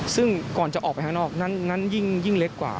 ซึ่งก่อนจะออกไปข้างนอกนั้นยิ่งเล็กกว่า